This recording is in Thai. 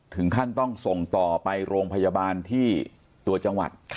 ถึงขั้นต้องส่งต่อไปโรงพยาบาลที่ตัวจังหวัด